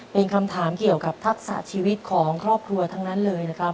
เป็นคำถามเกี่ยวกับทักษะชีวิตของครอบครัวทั้งนั้นเลยนะครับ